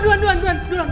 rena kayaknya keracunan